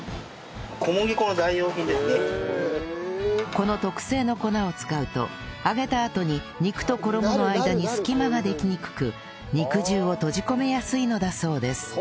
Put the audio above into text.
この特製の粉を使うと揚げたあとに肉と衣の間に隙間ができにくく肉汁を閉じ込めやすいのだそうです